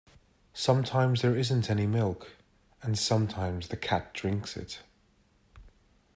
Sometimes there isn't any milk, and sometimes the cat drinks it.